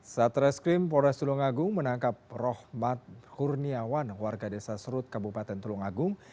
satreskrim polres tulungagung menangkap rohmat kurniawan warga desa serut kabupaten tulung agung